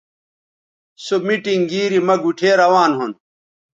سو میٹنگ گیری مہ گوٹھے روان ھُون